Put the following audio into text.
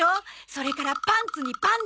それから「パンツ」に「パンダ」。